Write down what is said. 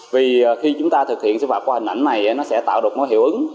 vì khi chúng ta thực hiện xử phạt qua hình ảnh này nó sẽ tạo được mối hiệu ứng